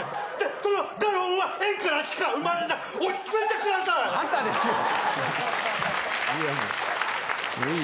そのガロンは円からしか生まれない落ち着いてください！